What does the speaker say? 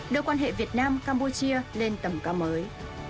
đưa quan hệ việt nam campuchia lên tầm cao mới